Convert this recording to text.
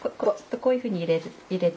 こういうふうに入れて。